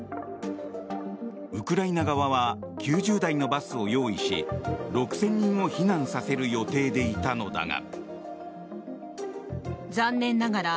ウクライナ側は９０台のバスを用意し６０００人を避難させる予定でいたのだが。